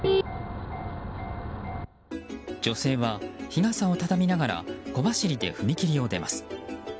女性は、日傘を畳みながら小走りで踏切を出ます。